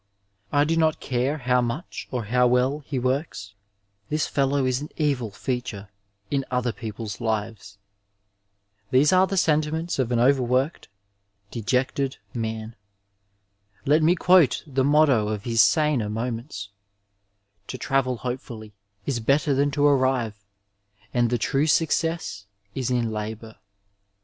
I do not care how much or how well he works, this feUow is an evil feature in other people's lives/' These are the sentiments of an over worked, dejected man ; let me quote the motto of his saner moments :^^ To travel hopefully is better than to arrive, and the true success is in labour.''